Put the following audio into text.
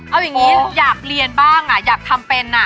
เอาอย่างนี้อยากเรียนบ้างอยากทำเป็น